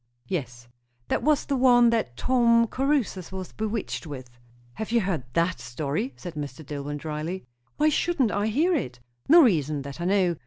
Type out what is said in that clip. "Yes." "That was the one that Tom Caruthers was bewitched with?" "Have you heard that story?" said Mr. Dillwyn dryly. "Why shouldn't I hear it?" "No reason, that I know.